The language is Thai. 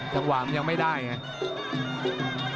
จังหวะมันยังไม่ได้ไง